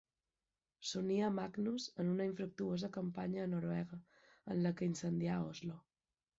S'uní a Magnus en una infructuosa campanya a Noruega, en la que incendià Oslo.